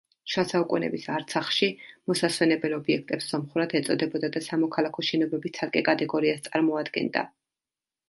შუა საუკუნეების არცახში მოსასვენებელ ობიექტებს სომხურად ეწოდებოდა და სამოქალაქო შენობების ცალკე კატეგორიას წარმოადგენდა.